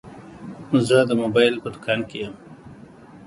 زه د موبایل په دوکان کي یم.